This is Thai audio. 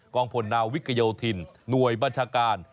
องพลนาวิกโยธินหน่วยบัญชาการ